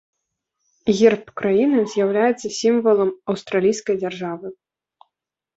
Герб краіны з'яўляецца сімвалам аўстралійскай дзяржавы.